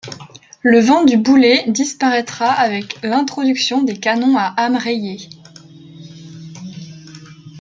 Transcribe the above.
Le vent du boulet disparaitra avec l'introduction des canons à âmes rayées.